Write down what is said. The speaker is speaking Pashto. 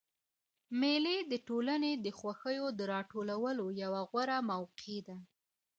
مېلې د ټولني د خوښیو د راټولولو یوه غوره موقع ده.